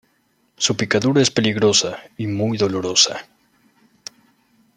Su picadura es peligrosa y muy dolorosa.